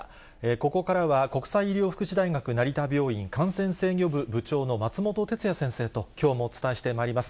ここからは、国際医療福祉大学成田病院感染制御部部長の松本哲哉先生ときょうもお伝えしてまいります。